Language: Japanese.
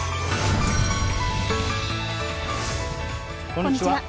こんにちは。